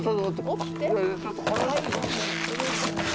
起きて。